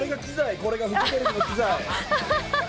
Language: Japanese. これがフジテレビの機材。